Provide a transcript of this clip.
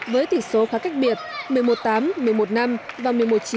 với tỷ số khá cách biệt một mươi một tám một mươi một năm và một mươi một chín